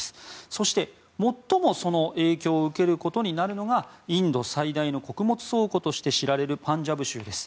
そして、最もその影響を受けることになるのがインド最大の穀物倉庫として知られるパンジャブ州です。